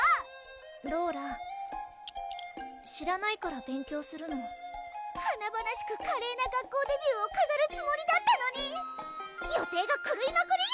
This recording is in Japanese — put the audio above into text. ローラ知らないから勉強するのはなばなしく華麗な学校デビューをかざるつもりだったのに予定がくるいまくりよ！